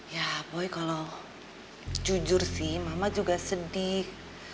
ya pokoknya kalau jujur sih mama juga sedih